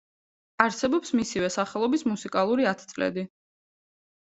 არსებობს მისივე სახელობის მუსიკალური ათწლედი.